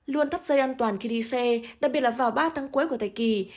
luôn thắt dây an toàn khi đi xe đặc biệt là vào ba tháng cuối của thời kỳ